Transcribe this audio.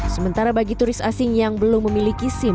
sementara bagi turis asing yang belum memiliki sim